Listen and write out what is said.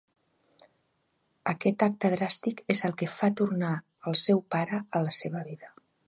Aquest acte dràstic és el que fa tornar el seu pare a la seva vida.